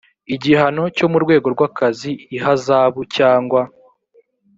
igihano cyo mu rwego rw akazi ihazabu cyangwa